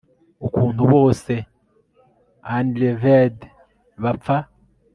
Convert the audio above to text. ukuntu bose unleavèd bapfa